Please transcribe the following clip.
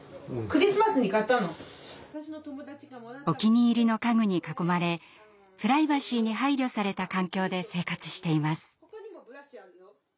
お気に入りの家具に囲まれプライバシーに配慮された環境で生活しています。